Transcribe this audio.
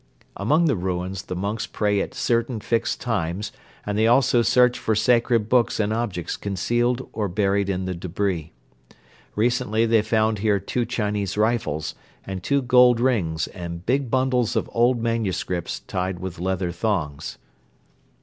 Among the ruins the monks pray at certain fixed times and they also search for sacred books and objects concealed or buried in the debris. Recently they found here two Chinese rifles and two gold rings and big bundles of old manuscripts tied with leather thongs.